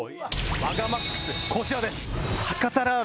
こちらです。